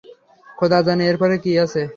খোদা জানে, এরপরে কি আছে!